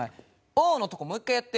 「Ｏ」のとこもう１回やって。